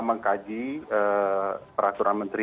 menghaji peraturan menteri